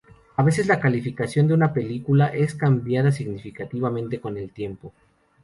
A veces la calificación de una película es cambiada significativamente con el tiempo.